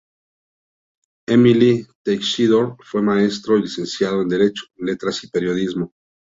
Emili Teixidor fue maestro y licenciado en derecho, letras y periodismo.